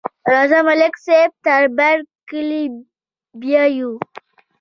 راځه، ملک صاحب تر برکلي بیایو.